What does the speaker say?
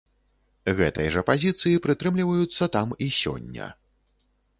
Гэтай жа пазіцыі прытрымліваюцца там і сёння.